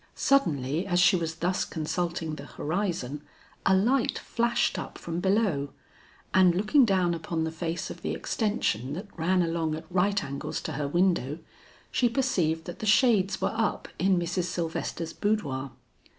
Suddenly as she was thus consulting the horizon, a light flashed up from below, and looking down upon the face of the extension that ran along at right angles to her window, she perceived that the shades were up in Mrs. Sylvester's boudoir.